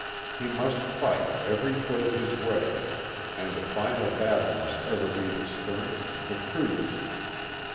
He must fight every foot of his way, and the final battle must ever be the sternest, the crudest.